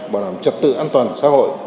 bảo đảm trật tự an toàn xã hội